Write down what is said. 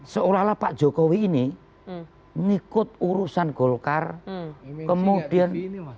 seolah olah pak jokowi ini ngikut urusan golkar kemudian